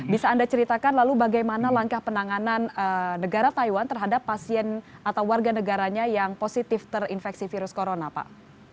bisa anda ceritakan lalu bagaimana langkah penanganan negara taiwan terhadap pasien atau warga negaranya yang positif terinfeksi virus corona pak